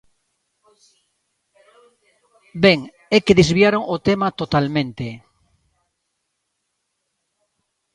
Ben, é que desviaron o tema totalmente.